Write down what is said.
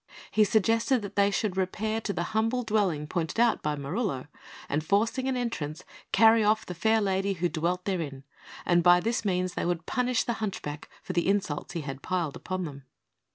He suggested that they should repair to the humble dwelling pointed out by Marullo, and, forcing an entrance, carry off the fair lady who dwelt therein; and by this means they would punish the hunchback for the insults he had piled upon them.